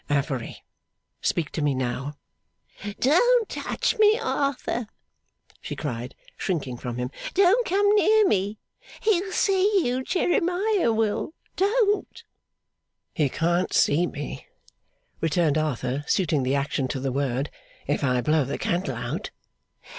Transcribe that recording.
'Affery, speak to me now!' 'Don't touch me, Arthur!' she cried, shrinking from him. 'Don't come near me. He'll see you. Jeremiah will. Don't.' 'He can't see me,' returned Arthur, suiting the action to the word, 'if I blow the candle out.